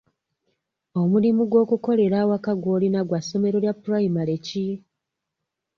Omulimu gw'okukolera awaka gw'olina gwa ssomero lya pulayimale ki?